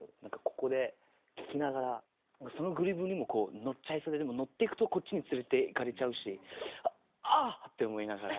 ここで聴きながらそのグルーブにもこう乗っちゃいそうででも乗っていくとこっちに連れていかれちゃうしあっ！って思いながら。